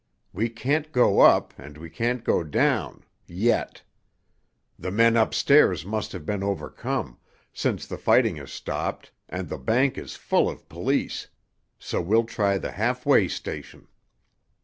We can't go up, and we can't go down—yet. The men upstairs must have been overcome, since the fighting has stopped, and the bank is full of police. So we'll try the halfway station."